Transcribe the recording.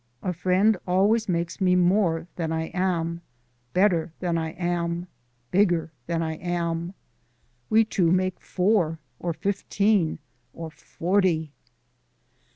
A friend always makes me more than I am, better than I am, bigger than I am. We two make four, or fifteen, or forty.